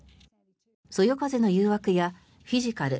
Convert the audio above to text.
「そよ風の誘惑」や「フィジカル」